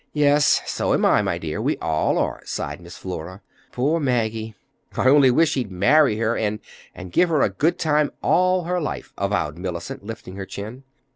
"Yes, so am I, my dear. We all are," sighed Miss Flora. "Poor Maggie!" "I only wish he'd marry her and—and give her a good time all her life," avowed Mellicent, lifting her chin.